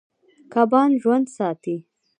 کبان ژوند ساتي.